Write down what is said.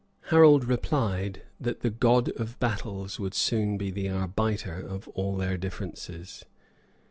Harold replied, that the God of battles would soon be the arbiter of all their differences.